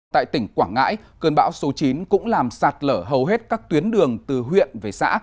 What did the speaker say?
tại tỉnh quảng ngãi cơn bão số chín cũng làm sạt lở hầu hết các tuyến đường từ huyện về xã